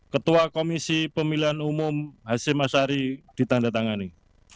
ketua komisi pemilihan umum hasim asyari ditandatangani